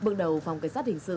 bước đầu phòng cảnh sát hình sự